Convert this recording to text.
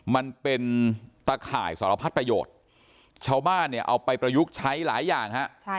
มันเป็นตะข่ายสารพัดประโยชน์ชาวบ้านเนี่ยเอาไปประยุกต์ใช้หลายอย่างฮะ